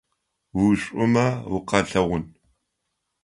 Ушӏумэ укъалъэгъун.